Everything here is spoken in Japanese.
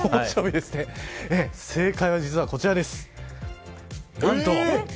正解はこちらです。